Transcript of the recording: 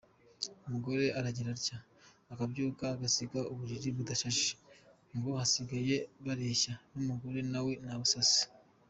Umugore aragira atya akabyuka agasiga uburiri budashashe ngo basigaye bareshya n’umugabo nawe nabusase.